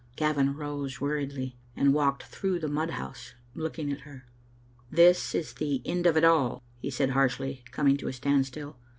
Gavin rose weariedly, and walked through the mud house looking at her. "This is the end of it all," he said harshly, coming to a standstill.